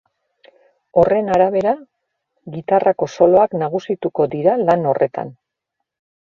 Horren arabera, gitarrako soloak nagusituko dira lan horretan.